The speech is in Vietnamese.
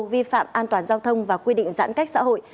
vi phạm an toàn giao thông và quy định giãn cách xã hội